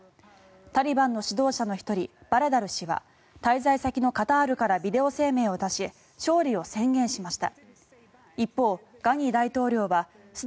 タリバンの指導者の１人バラダル師は滞在先のカタールからビデオ声明を出し勝利を宣言しました。